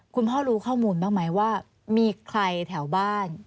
คุณพ่อรู้ข้อมูลบ้างไหมว่ามีใครแถวบ้าน